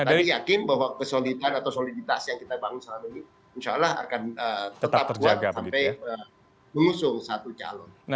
jadi yakin bahwa kesoliditas yang kita bangun selama ini insya allah akan tetap buat sampai mengusul satu calon